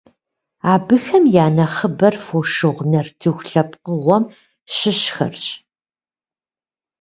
Абыхэм я нэхъыбэр «фошыгъу» нартыху лъэпкъыгъуэм щыщхэрщ.